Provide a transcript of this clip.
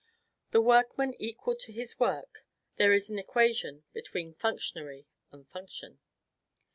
The workman equal to his work, there is an equation between functionary and function.